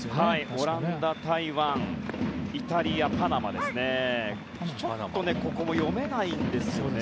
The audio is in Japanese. オランダ、台湾イタリア、パナマですがちょっとここも読めないんですよね。